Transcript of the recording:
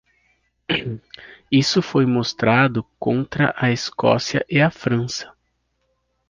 Isso foi mostrado contra a Escócia e a França.